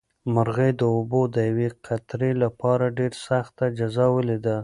مرغۍ د اوبو د یوې قطرې لپاره ډېره سخته جزا ولیده.